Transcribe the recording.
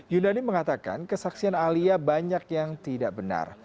yudani mengatakan kesaksian alia banyak yang tidak benar